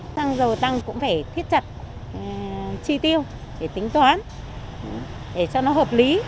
xăng dầu tăng cũng phải thiết chặt chi tiêu để tính toán để cho nó hợp lý